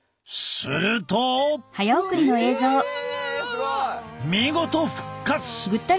すごい！見事復活。